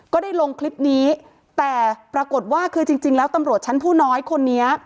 ก็ได้ลงคลิปนี้แต่ปรากฏว่าคือจริงแล้วตำรวจชั้นผู้น้อยคนนี้